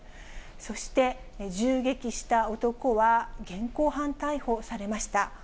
そして、銃撃した男は現行犯逮捕されました。